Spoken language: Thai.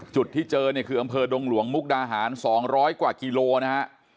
จุดที่เจอเนี่ยคืออำเภอดงหลวงมุกดาหาร๒๐๐กว่ากิโลนะฮะ